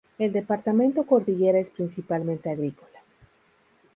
El departamento Cordillera es principalmente agrícola.